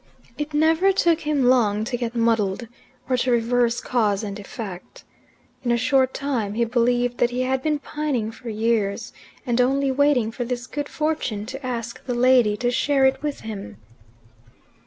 It never took him long to get muddled, or to reverse cause and effect. In a short time he believed that he had been pining for years, and only waiting for this good fortune to ask the lady to share it with him.